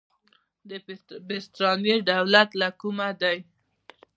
د برتانیې دولت له کومه دی.